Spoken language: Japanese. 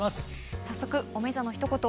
早速おめざのひと言